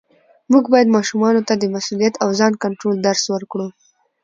موږ باید ماشومانو ته د مسؤلیت او ځان کنټرول درس ورکړو